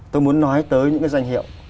tôi muốn nói tới những danh hiệu